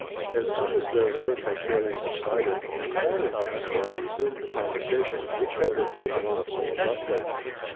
A KITE! As soon as their mirth had fairly subsided, Karl and Caspar resumed the conversation, which had been broken off so abruptly.